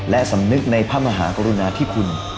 และสำนึกในพระมหากรุณาธิคุณ